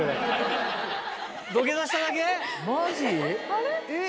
あれ？